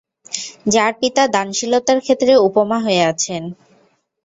যার পিতা দানশীলতার ক্ষেত্রে উপমা হয়ে আছেন।